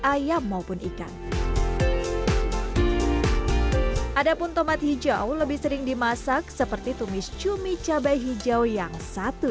ayam maupun ikan ada pun tomat hijau lebih sering dimasak seperti tumis cumi cabai hijau yang satu